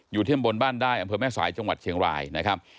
เทียมบนบ้านได้อำเภอแม่สายจังหวัดเชียงรายนะครับ